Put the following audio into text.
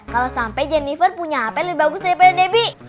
kalau sampai jennifer punya hp lebih bagus daripada debbie